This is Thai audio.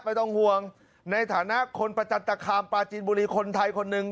ไม่ต้องห่วงในฐานะคนประจันตคามปลาจีนบุรีคนไทยคนหนึ่ง